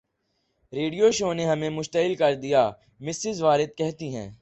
radio show نے ہمیں مشتعل کر دیا مسز وارد کہتی ہے